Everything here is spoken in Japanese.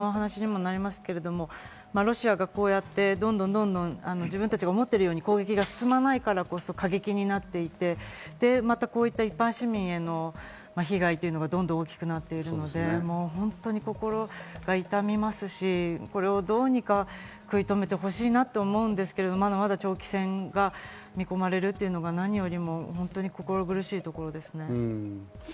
先程の話にもなりますけど、ロシアがこうやって、どんどん自分たちを思っているように攻撃が進まないからこそ過激になっていて、一般市民への被害というのがどんどん大きくなってるので本当に心が痛みますし、これをどうにか食い止めてほしいなと思うんですけれど、まだまだ長期戦が見込まれるっていうのが何よりも心苦しいところですね。